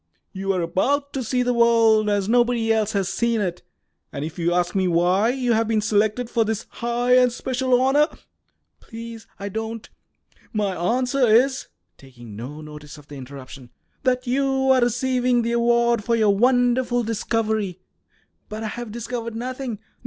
You are about to see the world as nobody else has seen it. And if you ask me why you have been selected for this high and special honour " "Please, I don't!" "My answer is," taking no notice of the interruption, "that you are receiving the award for your wonderful discovery." "But I have discovered nothing."